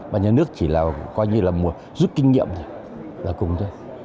và nhà nước chỉ là coi như là giúp kinh nghiệm là cùng thôi